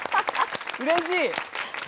うれしい！